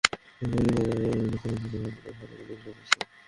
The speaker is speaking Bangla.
কলকাতার নগর দায়রা আদালতের বিচারক সঞ্চিতা সরকার ছয়জনকে দোষী সাব্যস্ত করেন।